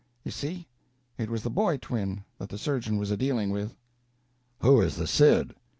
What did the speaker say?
You see? it was the boy twin that the surgeon was a dealing with. "Who is the Cid?"